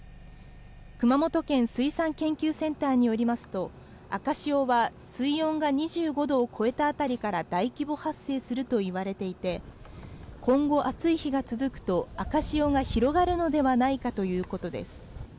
熊本県水産研究センターによりますと、赤潮は水温が２５度を超えたあたりから大規模発生するといわれていて、今後暑い日が続くと、赤潮が広がるのではないかということです。